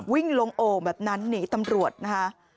วิ่งลงโอ่งแบบนั้นหนีตำรวจนะคะ